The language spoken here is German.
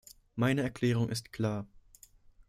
Meine Erklärung ist klar.